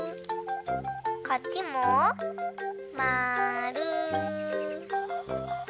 こっちもまる。